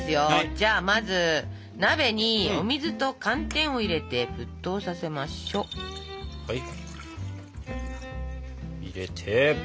じゃあまず鍋にお水と寒天を入れて沸騰させましょ。入れて。